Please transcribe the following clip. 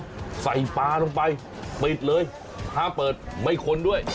หรือเส้นปลาลงไปปิดเลยห้ามเปิดไม่คนด้วย